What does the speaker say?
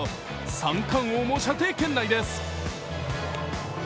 三冠王も射程圏内です。